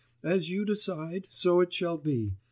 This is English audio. As you decide, so it shall be.